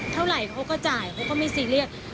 เท่าไหร่เขาก็จ่ายเขาก็ไม่ซีเรียส